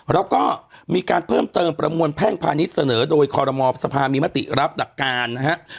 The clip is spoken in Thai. แล้วก็มีการเพิ่มเติมประมวลแพ่งพาณิชย์เสนอโดยคอรมอสภามีมติรับหลักการนะฮะ